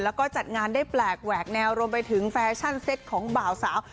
แล้วก็จัดงานได้แปลกแหวกแนวรวมไปถึงแฟชั่นเซ็ตของบ่าวสาว